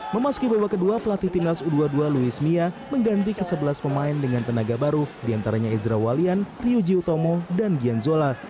memasuki babak kedua pelatih timnas u dua puluh dua louis mia mengganti ke sebelas pemain dengan tenaga baru diantaranya ezra walian ryuji utomo dan gian zola